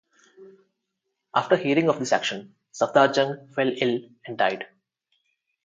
After hearing of this action Safdarjung fell ill and died.